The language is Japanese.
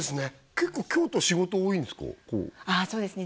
結構京都仕事多いんですか？